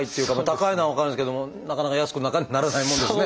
高いのは分かるんですけどもなかなか安くならないものですね。